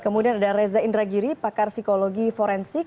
kemudian ada reza indragiri pakar psikologi forensik